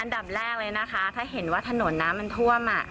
อันดับแรกเลยนะคะถ้าเห็นว่าถนนน้ำมันท่วม